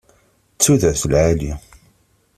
D tudert n lɛali.